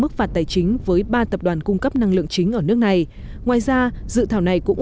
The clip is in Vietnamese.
mức phạt tài chính với ba tập đoàn cung cấp năng lượng chính ở nước này ngoài ra dự thảo này cũng